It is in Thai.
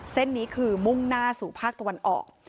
เส้นนี้คือมุ่งหน้าสู่ภาครัฐวรรณอ๋อ